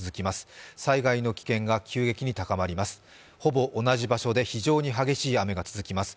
ほぼ同じ場所で非常に激しい雨が続きます。